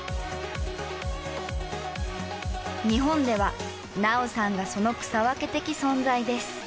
日本では菜桜さんがその草分け的存在です。